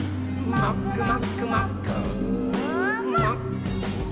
「もっくもっくもっくー」